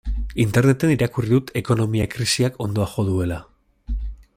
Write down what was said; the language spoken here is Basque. Interneten irakurri dut ekonomia krisiak hondoa jo duela.